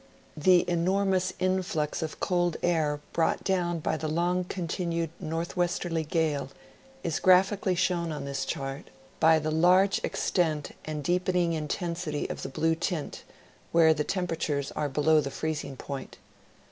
The enor mous influx of cold air brought down by the long continued northwesterly gale is graphically shown on this chart by the The Great Storm of March ll lJ^, 1888. 53 large extent and deepening intensity of the blue tint, where the temperatures are below the freezing point.